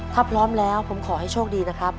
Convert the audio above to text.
ถ้าพร้อมแล้วผมขอให้โชคดีนะครับ